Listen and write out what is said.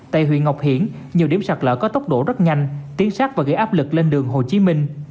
tại huyện ngọc hiển nhiều điểm sạt lỡ có tốc độ rất nhanh tiến sát và gây áp lực lên đường hồ chí minh